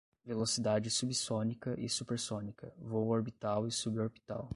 velocidade subsônica e supersônica, voo orbital e suborbital